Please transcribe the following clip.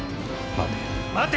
待て。